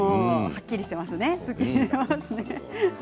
はっきりしてますね。